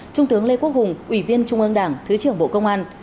trung tướng lê quốc hùng ủy viên trung ương đảng thứ trưởng bộ công an